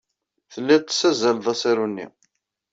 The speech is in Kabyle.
Telliḍ tessazzaleḍ asaru-nni.